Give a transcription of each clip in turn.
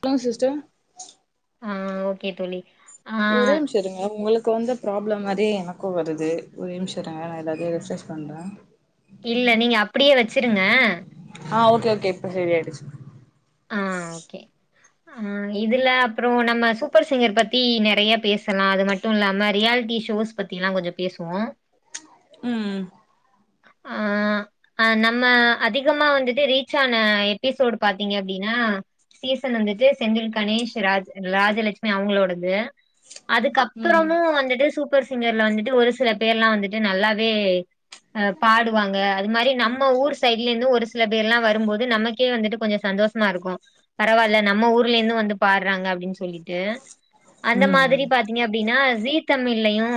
சொல்லுங்க சிஸ்டர் ஆஹ்ன் ஓகே தோழி ஆ ஒரே நிமிசம் இருங்க உங்களுக்கு வந்து ப்ராப்ளம் மாரி எனக்கும் வருது ஒரே நிமிஷம் இருங்க நான் எல்லாத்தையும் ரிஃப்ரஷ் பண்றேன் இல்ல நீங்க அப்டியே வச்சிருங்க ஆ ஓகே ஓகே இப்ப சரி ஆயிடுச்சு ஆஹ் ஓகே ஆஹ் இதுல அப்றோ நம்ம சூப்பர் சிங்கர் பத்தி நெறையா பேசலா அது மட்டு இல்லாம ரியாலிட்டி ஷோஸ் பத்திலா கொஞ்ச பேசுவோ உம் ஆஹ் அ நம்ம அதிகமா வந்துட்டு ரீச் ஆன எபிசோடு பாத் த்தீங்க அப்டினா சீசன் வந்துட்டு செந்தில் கணேஷ் ராஜ் ராஜலெக்ஷ்மி அவுங்களோடது ம் அதுக்கப்றமு வந்துட்டு சூப் ப்பர் சிங்கர்ல வந்துட்டு ஒரு சில பேர்லா வந்துட்டு நல்லாவே அஹ் பாடுவாங்க அது மாரி நம்ம ஊரு சைட்ல இருந்து ஒரு சில பேர்லா வரும்போது நமக்கே வந்துட்டு கொஞ்ச சந்தோசமா இருக்கு பரவால்ல நம்ம ஊர்ல இருந்து வந்து பாட்றாங்க அப்டின் சொ சொல்லிட்டு அந்த ம் மாதிரி பாத்தீங்க அப்டினா ஜி தமிழ்லயு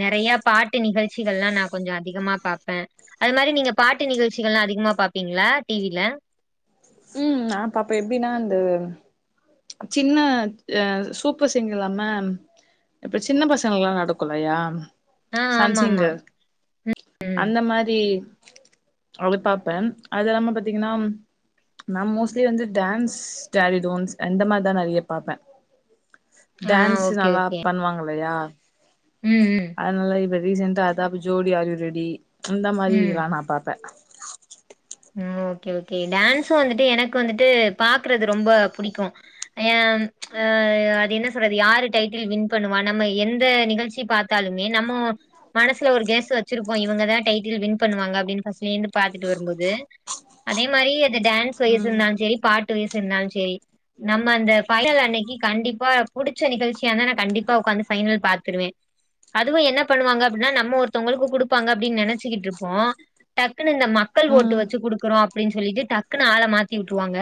நெறையா பாட்டு நிகழ்ச் இதெல்லா நா கொஞ்ச அதிகமா பாப்பே அது மாரி நீங்க பாட்டு நிகழ்ச்சிகள்லா அதிகமா பாப்பீங்ளா டி வி ல உம் நா பாப்பே எப்டினா அந்த சின்ன அஹ் சூப்பர் சிங்கர் இல்லாம இப்ப சின்ன பசங்களுக்குலா நடக்குல்லையா ஆ சன் ஆமாமா சிங்கர் ம் அந்த மாரி அத பாப்பே அது இல்லாம பாத்தீங்கனா நா மோஸ்ட்லி வந்து டான்ஸ் ஜாடி டோன்ஸ் அந்த மாரிதா நெறைய பாப்பே ஆ டான்ஸ் ஓகே நல்லா ஓகே பண்ணுவாங்கல்லையா ம் ம் அதுனால இது ரீசென்டா அதா இப்ப ஜோடி ஆர் யூ ரெடி அந்த மாரி ம் இதுலா நா பாப்பே ஓகே ஓகே டான்சு வந்துட்டு எனக்கு வந்துட்டு பாக்குறது ரொம்ப புடிக்கு ஏம் அஹ் அது என்ன சொல்றது யாரு டைட்டில் வின் பண்ணுவா நம்ம எந்த நிகழ்ச்சி பாத்தாலுமே நம்ம மனசுல ஒரு கெஸ் வச்சிருப்போ இவுங்கதா டைட்டில் வின் பண்ணுவாங்க அப்டின் ஃபஸ்ட்ல இருந்து பாத்துட்டு வரும் போது து அதே மாரி அது டான்ஸ் வைசு ம் இருந்தாலு செரி பாட்டு வைசு இருந்தாலு செரி நம்ம அந்த ஃபைனல் அன்னக்கி கண்டிப்பா புடிச்ச நிகழ்ச்சியானா நா கண்டிப்பா ஒக்காந்து ஃபைனல் பாத்ருவே அதுவு என்ன பண்ணுவாங்க அப்டினா நம்ம ஒருத்தவ்ங்களுக்கு குடுப்பாங்க அப்டின் நெனச்சிக்கிட்ருப்போ டக்குன்னு இந்த ம க்கள் ஓட்டு ம் வச்சு குடுக்குறோ அப்டின் சொல்லிட்டு டக்குனு ஆள மாத்திவுட்ருவாங்க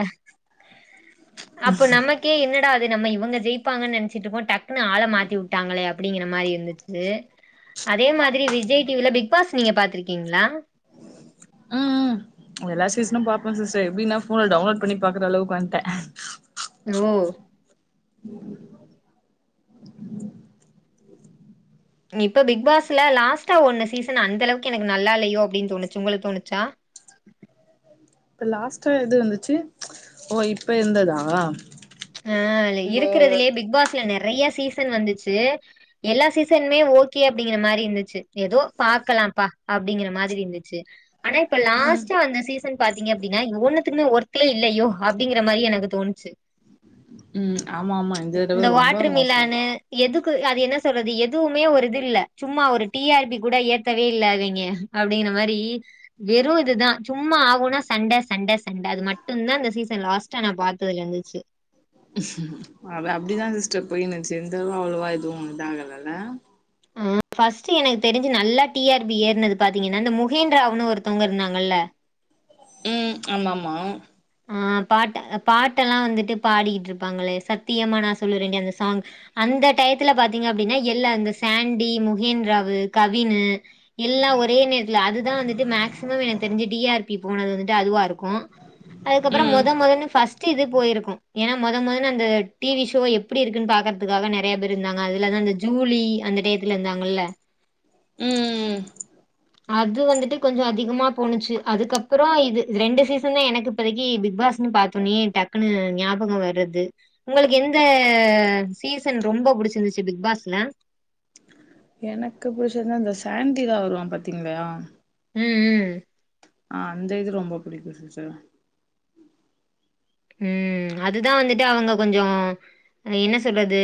அப்ப நமக்கே என்னடா இது நம்ம இவுங்க ஜெயிப்பாங்கன் நெனச்சுட்டு இருப்போ டக்குனு ஆள மாத்திவுட்டாங்களே அப்டிங்கிற மாரி இருந்துச்சு அதே மாதிரி விஜய் டி வி ல பிக் பாஸ் நீங்க பாத்துருக்கீங்களா ம் ம் எல்லா சீசனு பாப்பே சிஸ்டர் எப்டினா ஃபோன்ல டவுன்லோட் பண்ணி பாக்குற அளவுக்கு வன்ட ஓ இப்ப பிக் பாசுல லாஸ்ட்டா ஒன்னு சீசன் அந்தளவுக்கு எனக்கு நல்லால்லயோ அப்டின் தோணுச்சு உங்களுக்கு தோணுச்சா இப்ப லாஸ்டா எது வந்துச்சு ஓ இப்ப இருந்ததா ஆஹ் அதுல இந்த இருக்குறதுலே பிக் பாஸ்ல நெற றையா சீசன் வந்துச்சு எல்லா சீசனுமே ஓகே அப்டிங்கிற மாரி இருந்துச்சு எதோ பாக்கலாம்ப்பா அப்டிங்கிற மாதிரி இருந்துச்சு ஆனா இப்ப ம் லாஸ்ட்டா அந்த சீசன் பார்த்தீங்க அப்டினா இது ஒன்னத்துக்குமே ஒர்த்தே இல்லயோ அப்டிங்கிற மாரி எனக்கு தோணுச்சு உம் ஆமா ஆமா இந்த தடவ ரொம்ப மோசம் க்கு அது என்ன சொல்றது எதுவுமே ஒரு இது இல்ல சும்மா ஒரு டி ஆர் பி கூட ஏத்தவே இல்ல அவங்கெ அப்டின மாரி வெறு இதுதா சும்மா ஆவுனா சண்ட சண்ட சண்ட அது மட்டுந்தா இந்த சீசன் லாஸ்டா நா பாத்ததுல இருந்துச்சு அது அப்டிதா சிஸ்டர் போய்னுச்சு எந்த இதுவு அவ்ளோவா எதுவு இத ஆகலல உம் ஃபஸ்ட்டு எனக்கு தெரிஞ்சு நல்லா டி ஆர் பி ஏற்னது பாத்தீங்கனா இந்த முகேன்ராவுனு ஒருத்தவ்ங்க இருந்தாங்கல்ல உம் ஆமாம்மா ஆஹ் பாட்ட பாட்டெல்லா வந்துட்டு பாடிக்கிட்டு இருப்பாங்களே சத்தியமா நா சொல்லுறேன்டி அந்த சாங் அந்த டயத்துல பாத்தீங்க அப்டினா எல்லா இந்த சாண்டி முகின்ராவு கவினு எல்லா ஒரே நேரத்துல அதுதா வந்துட்டு மேக்சிமம் எனக்கு தெரிஞ்சு டி ஆர் பி போனது வந்துட்டு அதுவா இருக்கு அதுக்கப்பற ம் மெதமொதன்னு ஃபஸ்ட் ட்டு இது போயிருக்கு ஏனா மொத மொதல்ல அந்த டி வி ஷோ எப்டி இருக்குன் பாக்கற்த்துக்காக நெறையா பேர் இருந்தாங்க அதுலதா அந்த ஜூலி அந்த டயத்துல இருந்தாங்கல்ல உம் உம் உம் அது வந்துட்டு கொஞ்ச அதிகமா போணுச்சு அதுக்கப்றோ இது இது ரெண்டு சீசன் தா எனக்கு இப்பதைக்கி பிக்பாஸ்னு பாத்தோனயே டக்குன்னு ஞாபக வர்றது உங்களுக்கு எந்த சீசன் ரொம்ப புடிச்சிருந்துச்சு பிக் பாஸ்ல எனக்கு புடிச்சிருந்த அந்த சாண்டிதா வருவா பாத்தீங்ளயா உம் உம் ஆ அந்த இது ரொம்ப புடிக்கும் சிஸ்டர் உம் அதுதா வந்துட்டு அவங்க கொஞ்சோ என்ன சொல்றது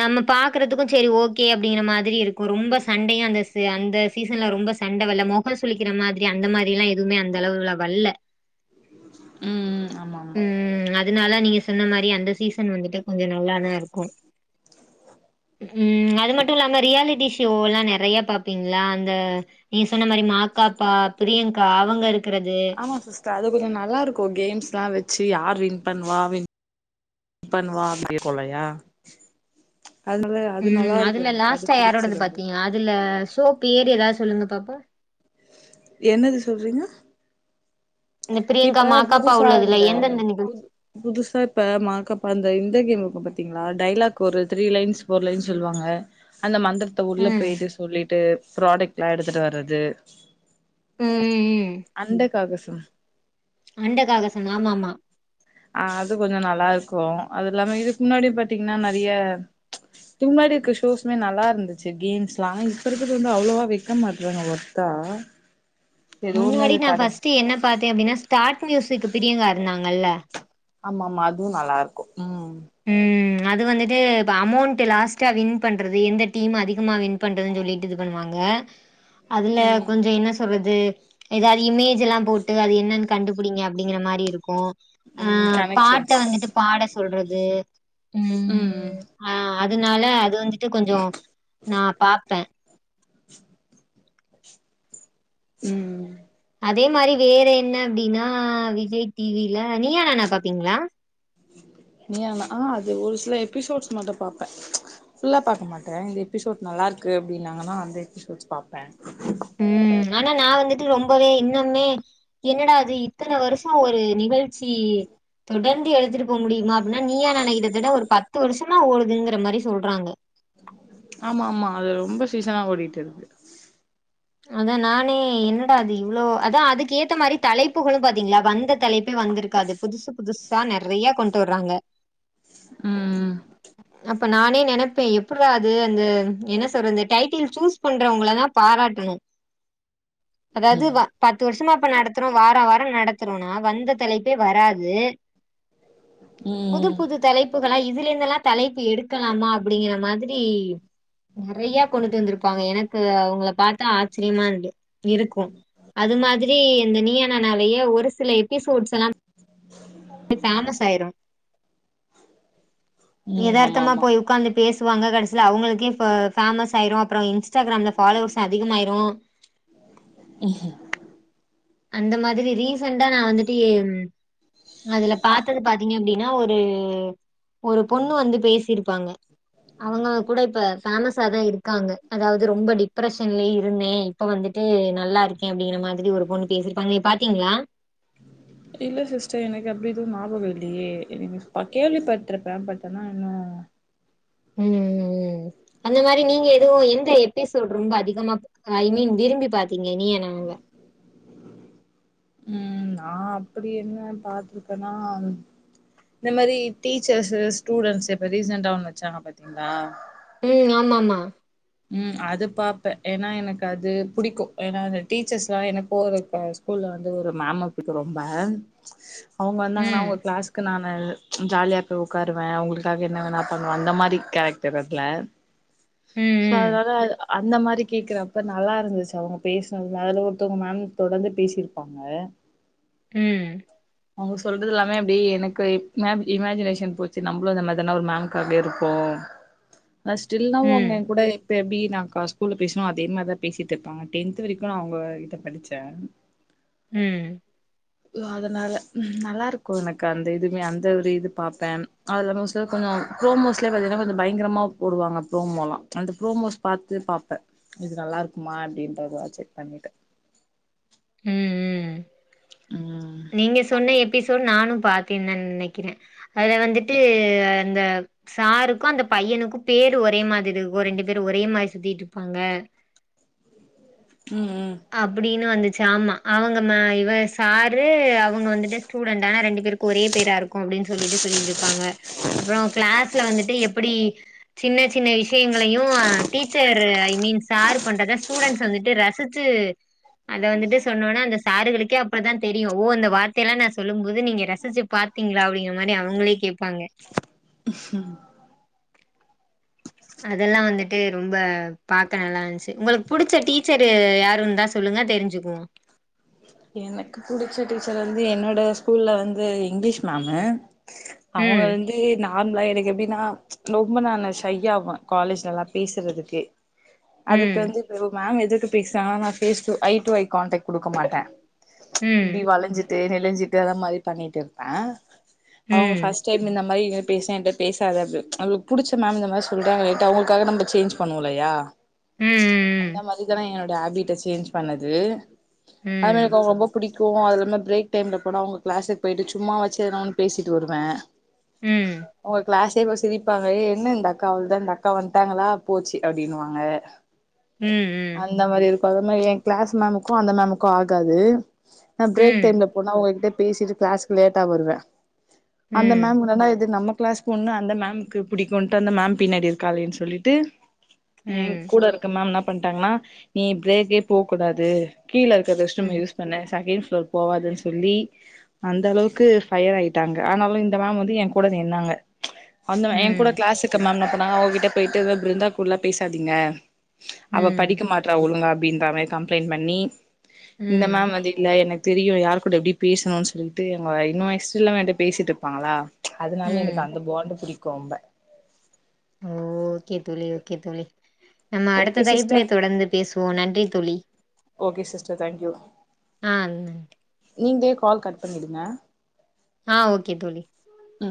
நம்ம பாக்குறதுக்கு செரி ஓகே அப்டிங்கிற மாதிரி இருக்கும் ரொம்ப சண்டையும் அந்த ச அந்த சீசன்ல ரொம்ப சண்ட வல்ல முகம் சுலிக்கிற மாரி அந்த மாரி எல்லாம் எதுவுமே அந்த அளவுல வல்ல ம் ம் ஆமா ஆமா உம் அதனால நீங்க சொன்ன மாரி அந்த சீசன் வந்துட்டு கொஞ்ச நல்லாதா இருக்கு உம் அது மட்டு இல்லாம ரியாலிட்டி ஷோ எல்லா நெறய பாப்பீங்ளா அந்த நீங்க சொன்ன மாரி மாகாபா பிரியங்கா அவங்க இருக்கறது ஆமா சிஸ்டர் அது கொஞ்ச நல்லா இருக்கு கேம்ஸ்ல்லா வெ ச்சு யார் வின் பண்ணுவா வின் வின் பண்ணுவா அப்டி இருக்குலயா ம் அதுல லாஸ்ட்டா யாரோடது புடிச்சிருந்து பாத்தீங்க அதுல சோப் பேர் எதாது சொல்லுங்க பாப்போ என்னது சொல்றீங்க இந்த பிரியங்கா இப்ப மாகாபா புதுசா உள்ளதுல இந்த எந்தெந்த நிகழ்ச்சி புது புதுசா இப்ப மாகாபா இந்த இந்த கேம் இருக்கும் பார்தீங்களா டைலாக் ஒரு த்ரீ லைன்ஸ் போர் லைன்ஸ் சொல்லுவாங்க அந்த மாத்ரி த்த உள்ள ம் பேய்டு சொல்லிட்டு ப்ராடெக்ல்லா எடுத்துட்டு வர்றது ம் அண்டக்காகசம் அண்டக்காகசுன் ஆமாமா ஆ அது கொஞ்ச நல்லா இருக்கும் அது இல்லாம இதுக்கு முன்னாடி பாதீங்ன்னா நெறய [unintelligible] இருக்க ஷோஸ்மே நல்லா இருந்துச்சு கேம்ஸ்ல்லா இப்ப இருக்கறது வந்து அவ்ளோவா வெக்க மாட்டுறாங்க வொர்தா முன்னாடி நா ஃபஸ்ட் என்ன பாத்தே அப்டின்னா ஸ்டார்ட் மியூசிக் பிரியங்கா இருந்தாங்கல்ல ஆமா ஆமா அதுவும் நல்லாருக்கும் ம் அது வந்துட்டு அமௌண்ட் லாஸ்ட்டா வின் பண்றது எந்த டீம் அதிகமா வின் பண்றதுன்னு சொல்லிட்டு இது பண்ணுவாங்க அதுல ம் கொஞ்ச என்ன சொல்றது அது ஏதாவது இமேஜ் எல்லாம் போட்டு அது என்னன்னு கண்டுபுடிங்க அப்படிங்குற மாரி இருக்கும் அ ம் பாட்ட கனெக்ஷன்ஸ் வந்துட்டு பாட சொல்றது [unintelligible] ம் உம் ஆ அதனால அது வந்து ட்டு கொஞ்சோ நான் பாப்பேன் ம் அதே மாரி வேற என்ன அப்டின்னா விஜய் டிவில நீய நானா பாப்பீங்ளா நீயாநா ஆ அது ஒரு சில எபிசோட்ஸ் மட்டும் பாப்பேன் ஃபுல்லா பார்க்க மாட்டேன் இந்த எபிசோட் நல்லா இருக்கு அப்படின்னாங்கன்னா அந்த எபிசோட்ஸ் பாப்பேன் ம் ஆனா நா வந்துட்டு ரொம்பவே இன்னுமே என்னடா அது இத்தன வருஷம் ஒரு நிகழ் ச்சி தொடர்ந்து எடுத்துட்டு போக முடியுமா அப்டின்னா நீயாநானா ஆனா கிட்டத்தட ஒரு பத்து வருஷம் என்னா ஓடுதுங்கிற மாரி சொல்றாங்க ஆமா ஆமா அது ரொம்ப சீசனா ஓடிட்டுருக்கு அதனா னே என்னடா அது இவ்ளோ அதா அதுக்கு ஏத்த மாரி தலைப்புகளு பாத்தீங்களா வந்த தலைப்பே வந்துருக்காது புதுசு புதுசா நெறையா கொண்டுட்டு வர்றாங்க ம் அப்ப நானே நெனப்பே எப்புட்ரா அது அந்த என்ன சொல்றது டைட்டில் சூஸ் பண்றவங்களதா பாராட் உம் அதாவது வா பத்து வருஷமா நடத்துறோ வார வாரோ நடத்துறோனா வந்த தலைப்பே வராது புது ம் புது தலைப் களா இதுல இருந்தெல்லா தலைப்பு எடுக்கலாமா அப்டிங்கிற மாதிரி நெறைய கொண்டுட்டு வந்துருப்பாங்க எனக்கு அவுங்கள பாத் ஆச்சரியமா இருந்து இருக்கு அது மாதிரி இந்த நீயா நானாவையே ஒரு சில எபிசோட்ஸ்ல்லா ஃபேமஸ் ஆயிரு ம் ஆமா எதார்த்தமா ஆமா போய் உட்காந்துட் பேசுவாங்க கடைசில அவுங்களுக்கே இப்ப ஃபேமஸ் ஆயிரு அப்பறோ இன்ஸ்டாகிராம்ல ஃபாலோவர்ஸ் அதிகமாயிரு உஹு அந்த மாதிரி ரீசன்டா நா வந்துட்டு ஏ அதுல பாத்தது பாத்தீங்க அப்டின்னா ஒரு ஒரு பொண்ணு வந்து பேசிருப்பாங்க அவுங்க கூட இப்ப பேமஸாதா இருக்காங்க அதாவது ரொம்ப டிப்ரஷன்லயே இருந்தே இப்ப வந்துட்டு நல்லா இருக்கே அப்டிங்கிற மாதிரி ஒரு பொண்ணு பேசிருப்பாங்க பாத்தீங்களா இல்ல சிஸ்டர் எனக்கு அப்டி எதும் நியாபகோ இல்லையே இ கேள்விப்பட்டுருப்பே ப்ட் ஆனா இன்னு ம் ம் ம் அந்த மாரி நீங்க எதுவு எந்த எபிசோட் ரொம்ப அதிகமா ஐ மீன் விரும்பி பாத்தீங்க நீயா நானால ம் நா அப்டி என்ன பாத்துருக்கனா இந்த மாரி டீச்சர்ஸ்சு ஸ்டூடன்ஸ்சு இப்ப ரீசன்டா ஒண்ணு வச்சாங்க பாத்தீங்களா ம் ஆமாம்மா ம் அது பாப்பே ஏனா எனக்கு அது புடிக்கு ஏனா அது டீச்சர்ஸ்லா எனக்கு ஒரு ஸ்கூல்ல வந்து ஒரு மேம்ம புடிக்கு ரொம்ப அவுங்க வந்தாங்கனா ம் அவுங்க ஃக்ளாஸ்க்கு நான் நல் ஜாலியா போய் உக்காருவே அவுங்களுக்காக என்ன வேனா பண்ணுவ அந்த மாரி ஃகரெக்டர் அதுல ம் சோ ம் அதுனால அந்த மாரி கேக்குறப்ப நல்லா இருந்துச்சு அவுங்க பேசினதுல அதுல ஒருத்தவங்க மேம் தொடர்ந்து பேசிருப்பாங்க ம் அவுங்க சொல்றதுல்லாமே அப்டி எனக்கு மேம் இமஜினேஷன் போச்சு நம்ளு இந்த மாரிதான ஒரு மேம்காக இருப்போ நா ஸ்டில் நவ் அவுங்க ம், எனக் இப்ப எப்டி நாக்கா ஸ்கூல்ல பேசனு அதே மாரிதா பேசிட்டு இருப்பாங்க டென்த் வரைக்கு நா அவுங்க கிட்ட படிச்சே ம் அதனால நல்லா இருக்கு எனக்கு அந்த இதுமே அந்த ஒரு இது பாப்பே அதுல மோஸ்டா கொஞ்சோ ப்ரோமோஸ்லே பாத்தீங்கனா கொஞ்சோ பயங்கரமா போடுவாங்க ப்ரோமோல்லா அந்த ப்ரோமோஸ் பாத்து பாப்ப இது நல்லா இருக்குமா அப்டின்றத செக் பண்ணிட்டு ம் ம் ம் நீங்க சொன்ன எப்பிஸ் டு நானு பாத்தேந்தா நெனக்கிறே அது வந்துட்டு அந்த சாருக்கு அந்த பையனுக்கு பேரு ஒரே மாதிரி இருக்கு ரெண்டு பேரு ஒரே மாரி சுத்திட்டு இருப்பாங்க ம் ம் அப்டினு வந்துட் சு ஆமா அவுங்க இவ சாரு அவுங்க வந்துட்டு ஸ்டூடண்டு ஆனா ரெண்டு பேருக்கு ஒரே பேரா இருக்கு அப்டின் சொல்லிட்டு சொல்லிட்டு இருப்பாங்க அப்றோ க்ளாஸ்ல வந்துட்டு எப்டி சின்ன சின்ன இஸ் ஷயங்களையு டீச்சரு மீன்ஸ் சார் பண்றத ஸ்டுடென்ட்ஸ் வந்துட்டு ரசி ச்சு அத வந்துட்டு சொன்னோனா அந்த சாருகளுக் கே அப்ப தா தெரியு ஓ இந்த வார்த்தைல்லா நா சொல்லும் மோது நீங்க ரசிச்சி பாத்தீங்ளா அப்டிங்கிற மாரி அவுங்களே கேப்பாங்க அதெல்லா வந்துட்டு ரொம்ப பாக்க நல்லா இஞ்ச்சு உங்களுக்கு புடிச்ச டீச்சரு யாரு இருந்தா சொல்லுங்க தெரிஞ்சிக்குவோ எனக்கு புடிச்ச டீச்சர் வந்து என்னோட ஸ்கூல்ல வந்து இங்க்லீஷ் மேமு அவங்க ம் வந்து நார்ம்லா எனக் எப்டினா ரொம்ப நானு ஷையாவ காலேஜ்லலா பேசறதுக்கு அதுக்கு ம் வந்து இப்ப மேம் எது து பேஸ்னாங்கனா நா face to eye to eye contact குடுக்க மாட்ட இப்டி ம் வளஞ்சி ட்டு நெலிஞ்சிட்டு அந்த மாரி பண்ணிட்டு இருப்ப அவுங்க ம் ஃபர்ஸ்ட் டைம் இந்த மாரி பேச என்ட்ட பேசாத அப்டின் நம்ளுக் புடிச்ச மேம் இந்த மாரி சொல்றாங்களேன்ட்டு அவுங்களுக்காக நம்ம சேஞ்ச் பண்ணுவோலையா அந்த ம் மாரி தான எனோ ட ஹேபிட்ட சேஞ்ச் பண்ணது ம் [unintelligible] ரொம்ப புடிக் கு அதுலேந் ப்ரேக் டைம்ல போனா அவங்க க்ளாஸுக் பேயிட்டு சும்மா வாச்சு எனா ஒன்னு பேசிட்டு வருவ ம் சிரிப்பாங்க எ என்ன இந்த அக்காவ அவள்தான் இந்த அக்கா வந்துட்டாங்களா போச்சு அப்படின்னுுவாங்க உஹம் உம் அது மாரி என் கிளாஸ் மேமுக்கும் அந்த மேமுக்கும் ஆகாது நான் பிரேக் ம் டைம்ல போனா உங்க கிட்ட பேசிட்டு கிளாஸ்கு லேட்டா வருவேன். ம் அந்த மேம் வேன்னா இது நம்ம கிளாஸ் பொன்னு அந்த மேம்க்கு புடிக்குன்ட்டு அந்த மேம் பின்னாடி இருக்காளேன்னு சொல்லிட்டு என் ம் கூட இருக்க மேம் நா பண்ணிட்டாங்கன்னா நீ பிரேக்கே போகக் கூடாது கீழே இருக்கு ம் ரெஷ்ட்ரூம ம் யூஸ் பண்ணு சங்கீ போவாதுன்னு சொல்லி அந்த அளவுக்கு ஃபயர் ஆயிட்டாங்க. ஆனாலும் இந்த மேம் வந்து என் கூட நின்னாங்க அந்த என் ம் கூட கிளாஸ் இருக்க மேம் நான் உன்கிட்ட போயிட்டு ஏதோ பிருந்தா கூடலாம் பேசாதீங்க அவ ம் படிக்க மாட்றா ஒழுங்கா [unintelligible] மாரி கம்ப்ளைண் பண்ணி இந்த ம் மேம் வந்து இல்ல எனக் தெரியு யார்கூட எப்டி பேசணுனு சொல்லிட்டு அவ்ங்க இந்வயசுல என்ட்ட பேசிட்டுப்பாங்களா அதனால எனக்கு ம் அந்த பாண்டு புடிக் கோம்ப ஓக்கே தோழி ஓக்கே தோழி நம்ம ஓகே அடுத்த தலைப்பிலே சிஸ்டர் தொடந்து பேசுவோ நன்றி தோழி ஓக்கே சிஸ்டர் தேங்க் யூ ஆஹ் அந் நீங்ளே கால் கட் பண்ணிடுங்க ஆஹ் ஓகே தோழி ஹூம்